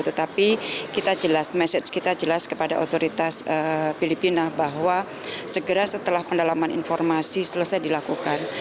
tetapi kita jelas message kita jelas kepada otoritas filipina bahwa segera setelah pendalaman informasi selesai dilakukan